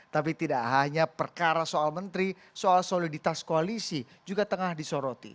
tapi tidak hanya perkara soal menteri soal soliditas koalisi juga tengah disoroti